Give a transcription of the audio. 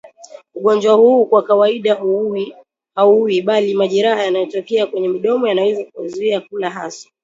Ugonjwa huu kwa kawaida hauui bali majeraha yanayotokea kwenye midomo yanaweza kuwazuia kula hasa